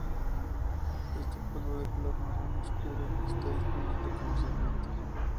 Este polvo de color marrón oscuro está disponible comercialmente.